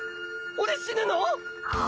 俺死ぬの？